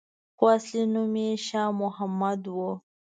خو اصلي نوم یې شا محمد وو.